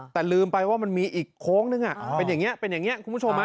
แต่ลืมไปว่ามันมีอีกโค้งนึงเป็นอย่างนี้คุณผู้ชม